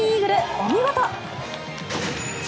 お見事。